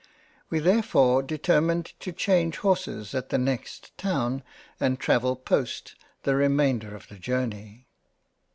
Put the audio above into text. We therefore determined to change Horses at the next Town and to travel Post the remainder of the Journey —